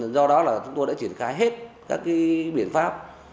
do đó là chúng tôi đã triển khai hết các biện pháp